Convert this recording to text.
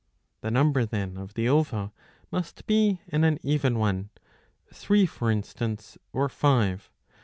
The number then of the ova must be an uneven one, three for instance or five.